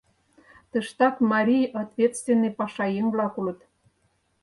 Тыштак марий ответственный пашаеҥ-влак улыт.